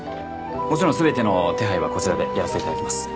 もちろん全ての手配はこちらでやらせていただきます